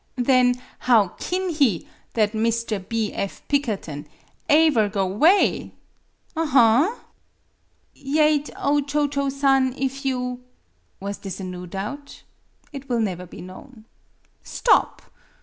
Then, how kin he, that Mr. B. F. Pikkerton, ae ver go 'way? Aha!" " Yaet, O Cho Cho San, if you" Was this a new doubt ? It will never be known. "Stop!